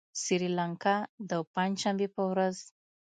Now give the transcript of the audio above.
سريلانکا د پنجشنبې په ورځ